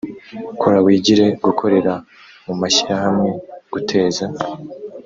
kora wigire gukorera mu mashyirahamwe guteza